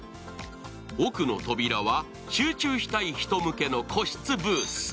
奥の扉は集中したい人向けの個室ブース。